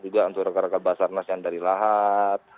juga untuk rekan rekan basarnas yang dari lahat